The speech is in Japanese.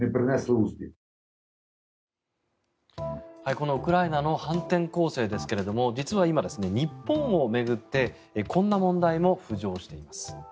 このウクライナの反転攻勢ですけれど実は今、日本を巡ってこんな問題も浮上しています。